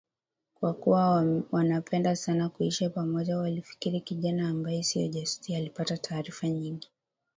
Kwakuwa wanapendana sana na kuishi pamoja walifikiri kijana ambaye sio jasusi alipata taarifa nyingi